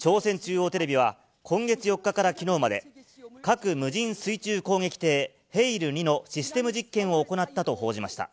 朝鮮中央テレビは、今月４日からきのうまで、核無人水中攻撃艇、ヘイル２のシステム実験を行ったと報じました。